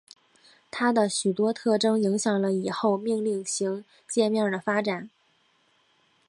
它的许多特征影响了以后命令行界面的发展。